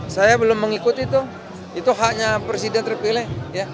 saya belum mengikuti itu itu haknya presiden terpilih